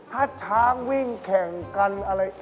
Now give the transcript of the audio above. ถ้าช้างวิ่งแข่งกันอะไร